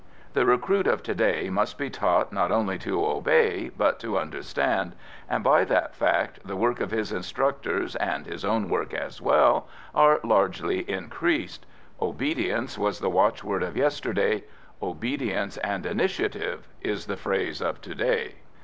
The recruit of to day must be taught not only to obey, but to understand, and by that fact the work of his instructors, and his own work as well, are largely increased. "Obedience" was the watchword of yesterday. "Obedience and initiative" is the phrase of to day.